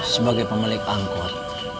sebagai pemilik angkor